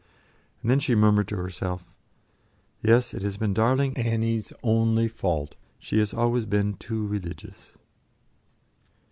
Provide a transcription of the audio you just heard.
And then she murmured to herself: "Yes, it has been darling Annie's only fault; she has always been too religious."